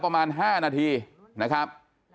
ประมาณ๕นาทีนะครับ